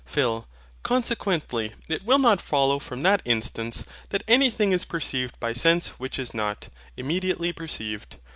PHIL. Consequently, it will not follow from that instance that anything is perceived by sense which is not, immediately perceived.